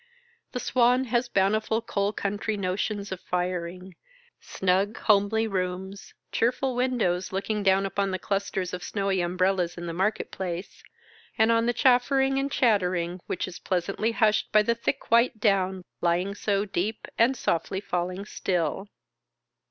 The Swan has bountiful coal country notions of firing, snug homely rooms, cheerful windows looking down upon the clusters of snowy umbrellas in the market place, and on the chaffering and chattering which is pleasantly hushed by the thick white down lying so deep, and softly falling still.